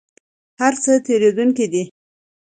هر څه تیریدونکي دي؟